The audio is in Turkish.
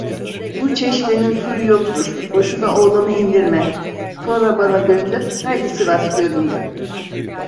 Bu çeşmenin suyu yoktur, boşuna oğlanı indirme… Sonra bana döndü: "Haydi, Sivas göründü."